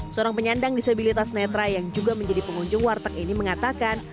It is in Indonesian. seorang penyandang disabilitas netra yang juga menjadi pengunjung warteg ini mengatakan